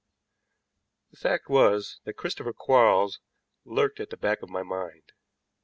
The fact was that Christopher Quarles lurked at the back of my mind.